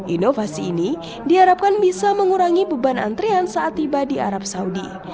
inovasi ini diharapkan bisa mengurangi beban antrian saat tiba di arab saudi